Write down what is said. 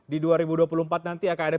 di dua ribu dua puluh empat nanti akan ada